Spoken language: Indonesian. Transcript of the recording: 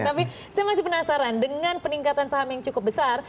tapi saya masih penasaran dengan peningkatan saham yang cukup besar